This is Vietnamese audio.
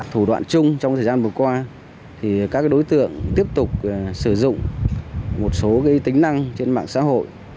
thủ đoạn chung trong thời gian vừa qua thì các đối tượng tiếp tục sử dụng một số tính năng trên mạng xã hội